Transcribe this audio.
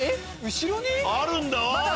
後ろに⁉あるんだ！